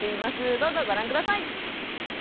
どうぞご覧下さい。